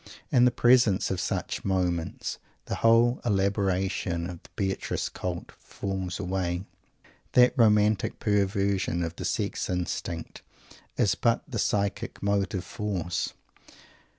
In the presence of such moments the whole elaboration of the Beatrice Cult falls away. That romantic perversion of the sex instinct is but the psychic motive force.